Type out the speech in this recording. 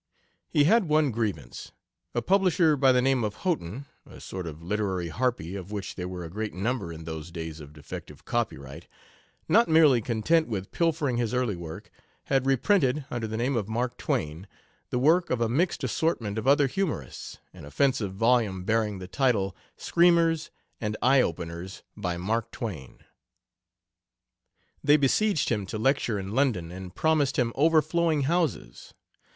He had one grievance a publisher by the name of Hotten, a sort of literary harpy, of which there were a great number in those days of defective copyright, not merely content with pilfering his early work, had reprinted, under the name of Mark Twain, the work of a mixed assortment of other humorists, an offensive volume bearing the title, Screamers and Eye openers, by Mark Twain. They besieged him to lecture in London, and promised him overflowing houses.